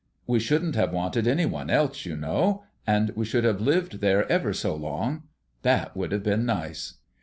We shouldn't have wanted anyone else, you know; and we should have lived there ever so long. That would have been nice."